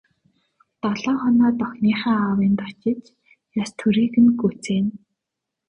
Долоо хоноод охиныхоо аавынд очиж ёс төрийг нь гүйцээнэ.